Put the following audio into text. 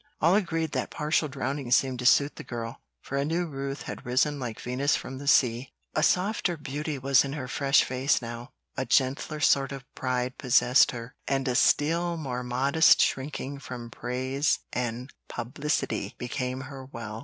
All agreed that partial drowning seemed to suit the girl, for a new Ruth had risen like Venus from the sea. A softer beauty was in her fresh face now, a gentler sort of pride possessed her, and a still more modest shrinking from praise and publicity became her well.